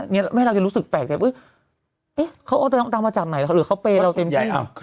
ไม่ให้เราจะรู้สึกแปลกแบบเอ๊ะเขาต้องตามมาจากไหนหรือเขาเปย์เราเต็มที่